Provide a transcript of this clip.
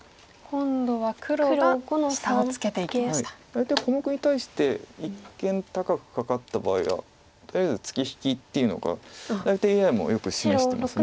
大体小目に対して一間高くカカった場合はとりあえずツケ引きっていうのが大体ＡＩもよく示してます。